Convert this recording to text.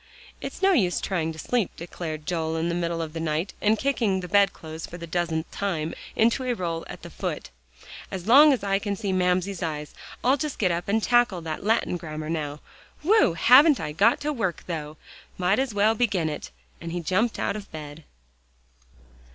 "It's no use trying to sleep," declared Joel, in the middle of the night, and kicking the bed clothes for the dozenth time into a roll at the foot, "as long as I can see Mamsie's eyes. I'll just get up and tackle that Latin grammar now. Whew! haven't I got to work, though! Might as well begin at it," and he jumped out of bed.